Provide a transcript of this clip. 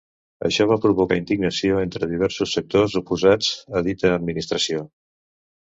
Això va provocar indignació entre diversos sectors oposats a dita administració.